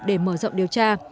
để mở rộng điều tra